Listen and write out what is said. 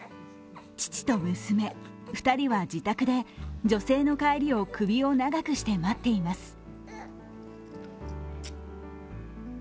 父と娘、２人は自宅で女性の帰りを首を長くして待っています。